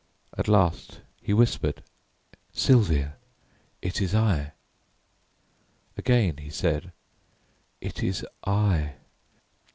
At last he whispered: "Sylvia, it is I." Again he said, "It is I."